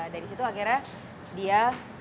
dari situ akhirnya dia